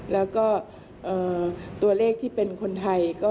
แล้วก็ตัวเลขที่เป็นคนไทย